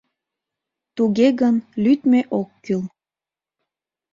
Туге гын, лӱдмӧ ок кӱл...